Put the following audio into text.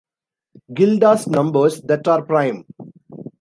Gilda's numbers that are prime.